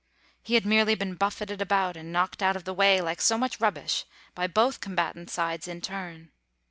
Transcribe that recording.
He had merely been buffeted about and knocked out of the way like so much rubbish by both combatant sides in turn.